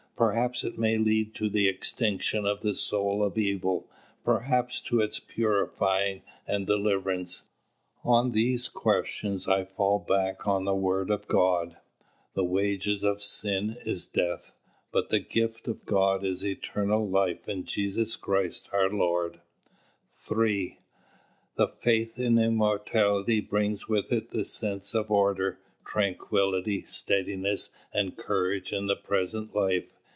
Perhaps it may lead to the extinction of the soul of evil, perhaps to its purifying and deliverance. On these questions I fall back on the word of God: "The wages of sin is death, but the gift of God is eternal life in Christ Jesus our Lord." III. The faith in immortality brings with it the sense of order, tranquillity, steadiness and courage in the present life.